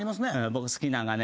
僕好きなんがね